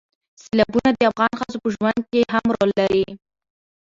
سیلابونه د افغان ښځو په ژوند کې هم رول لري.